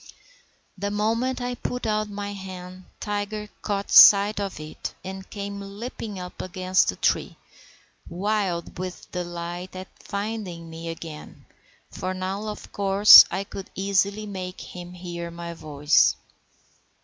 The moment I put out my hand Tiger caught sight of it, and came leaping up against the tree, wild with delight at finding me again, for now of course I could easily make him hear iny voice.